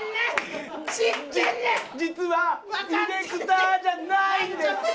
実はディレクターじゃないんです。